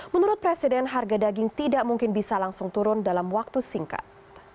menurut presiden harga daging tidak mungkin bisa langsung turun dalam waktu singkat